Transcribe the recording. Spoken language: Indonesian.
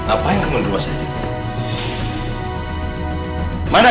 apa yang kamu ruasakan